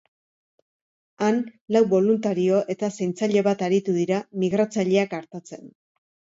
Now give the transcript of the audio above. Han, lau boluntario eta zaintzaile bat aritu dira migratzaileak artatzen.